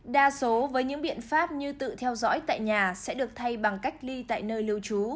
đa số với những biện pháp như tự theo dõi tại nhà sẽ được thay bằng cách ly tại nơi lưu trú